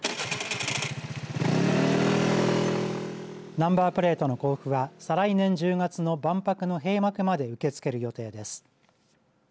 ナンバープレートの交付は再来年１０月の万博の閉幕まで受け付ける予定です。